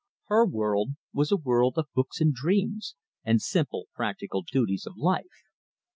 Her world was a world of books and dreams, and simple, practical duties of life.